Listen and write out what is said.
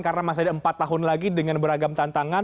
karena masih ada empat tahun lagi dengan beragam tantangan